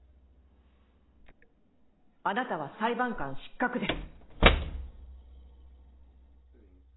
あなたは裁判官失格です。